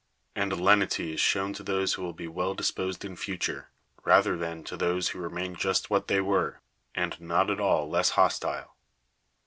And lenity is shown to those who will be well disposed in future, rather than to those who remain just what they were, and not at all less hostile.